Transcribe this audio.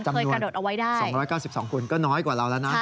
เคยกระโดดเอาไว้ได้๒๙๒คนก็น้อยกว่าเราแล้วนะ